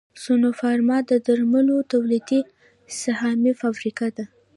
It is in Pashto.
سنوفارما د درملو تولیدي سهامي فابریکه ده